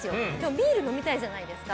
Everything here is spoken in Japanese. ビール飲みたいじゃないですか。